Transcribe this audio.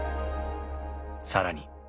更に！